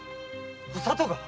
お里が？